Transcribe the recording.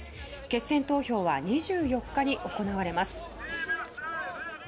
決戦投票は２４日に行われます。